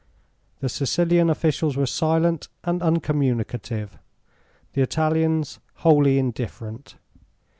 The Sicilian officials were silent and uncommunicative; the Italians wholly indifferent.